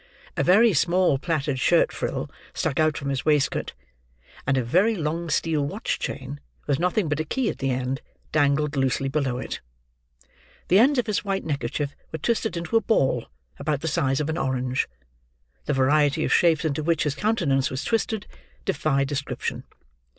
A very small plaited shirt frill stuck out from his waistcoat; and a very long steel watch chain, with nothing but a key at the end, dangled loosely below it. The ends of his white neckerchief were twisted into a ball about the size of an orange; the variety of shapes into which his countenance was twisted, defy description.